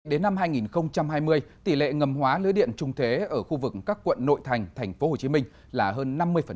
đến năm hai nghìn hai mươi tỷ lệ ngầm hóa lưới điện trung thế ở khu vực các quận nội thành tp hcm là hơn năm mươi